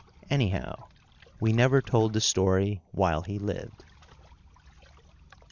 Anyhow, we never told the story while he lived.